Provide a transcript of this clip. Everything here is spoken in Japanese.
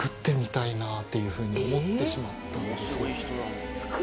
っていうふうに思ってしまったんですよ。